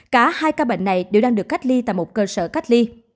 cả hai ca bệnh này đều đang được cách ly tại một cơ sở cách ly